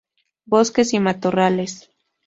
Bosques y matorrales.